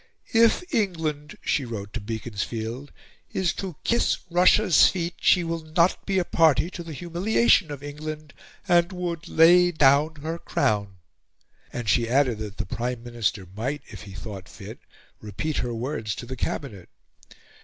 "If England," she wrote to Beaconsfield, "is to kiss Russia's feet, she will not be a party to the humiliation of England and would lay down her crown," and she added that the Prime Minister might, if he thought fit, repeat her words to the Cabinet.